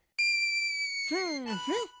ふんふん。